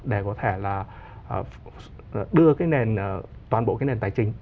để có thể là đưa cái nền toàn bộ cái nền tài chính